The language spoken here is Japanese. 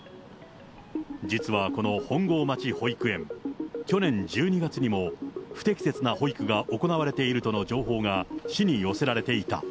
実はこの本郷町保育園、去年１２月にも、不適切な保育が行われているとの情報が、市に寄せられていた。